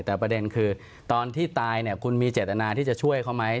แต่ประเด็นคือตอนที่ตายคุณมีเจตนาที่จะช่วยเขาไหม